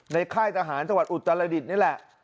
ค่ายทหารจังหวัดอุตรดิษฐ์นี่แหละ